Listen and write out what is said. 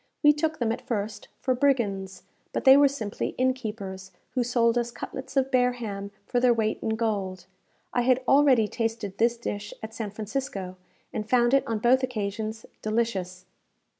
We took them, at first, for brigands; but they were simply inn keepers, who sold us cutlets of bear ham for their weight in gold. I had already tasted this dish at San Francisco, and found it on both occasions delicious.